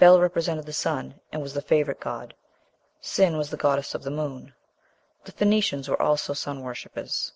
Bel represented the sun, and was the favorite god. Sin was the goddess of the moon. The Phoenicians were also sun worshippers.